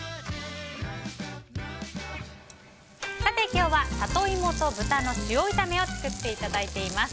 今日はサトイモと豚の塩炒めを作っていただいています。